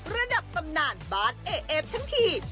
ระดับตำนานบ้านเอเอฟทั้งที